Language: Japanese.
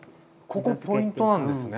ここポイントなんですね。